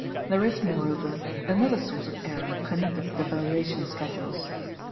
There is, moreover, another source of error connected with the valuation schedules.